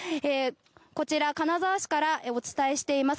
こちら、金沢市からお伝えしています。